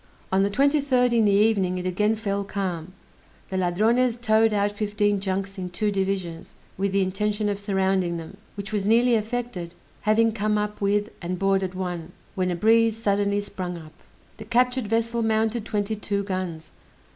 On the 23d, in the evening, it again fell calm; the Ladrones towed out fifteen junks in two divisions, with the intention of surrounding them, which was nearly effected, having come up with and boarded one, when a breeze suddenly sprung up. The captured vessel mounted twenty two guns.